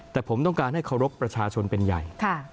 แต่ผมต้องการให้เคารพประชาชนเป็นใหญ่